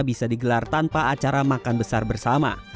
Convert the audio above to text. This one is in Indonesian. bisa digelar tanpa acara makan besar bersama